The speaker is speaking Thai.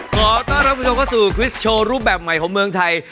ขอต้อนรับคุณผู้ชมเข้าสู่คริสโชว์รูปแบบใหม่ของเมืองไทย